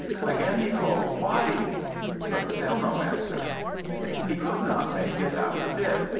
Again he called "Wife!" but still no answer. He could not make it out a bit.